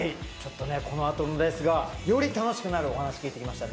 この後のレースがより楽しくなるお話を聞きました。